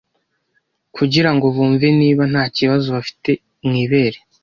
kugirango bumve niba nta kibazo bafite mu ibere